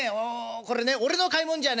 これね俺の買い物じゃねえんだよ。